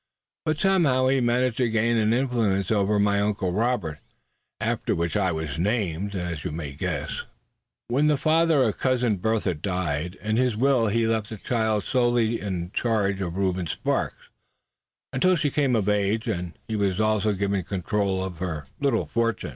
But somehow he managed to gain an influence over my Uncle Robert, after whom I was named, as you may guess, suh. When the father of Cousin Bertha died, in his will he left the child solely in the charge of Reuben Sparks, until she came of age; and he was also given control of her little fortune."